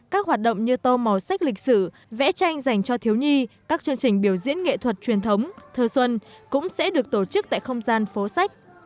các hoạt động như tô màu sách lịch sử vẽ tranh dành cho thiếu nhi các chương trình biểu diễn nghệ thuật truyền thống thơ xuân cũng sẽ được tổ chức tại không gian phố sách